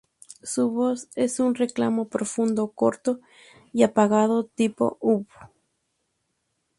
Su voz es un reclamo profundo, corto y apagado tipo "huh".